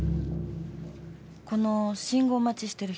この信号待ちしている人。